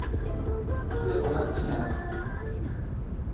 تو دیر اونت تھین۔